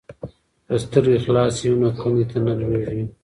که سترګې خلاصې وي نو کندې ته نه لویږي.